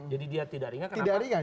jadi dia tidak ringan kenapa